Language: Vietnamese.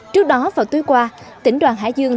trước đó vào tuyên qua tỉnh đoàn hải dương